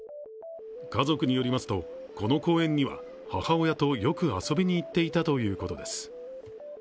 家族によりますと、この公園には母親とよく遊びに行っていたということです。